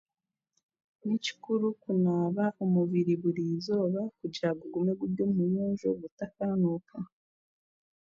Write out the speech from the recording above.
Ni kikuru kunaaba omubiri buri izooba kugira gugume guri omuyonjo gutakaanuuka.